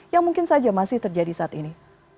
yang mungkin saja masih terjadi saat ini